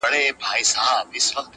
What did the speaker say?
سلطانان یې دي په لومو کي نیولي!!